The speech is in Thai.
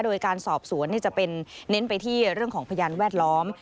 โดยการสอบสวนจะเป็นเน้นไปที่เรื่องของพยานแวดล้อม